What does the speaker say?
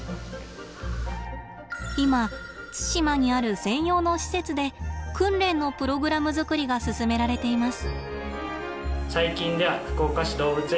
今対馬にある専用の施設で訓練のプログラム作りが進められています。